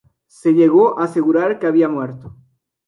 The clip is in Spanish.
Se llegó a asegurar que había muerto.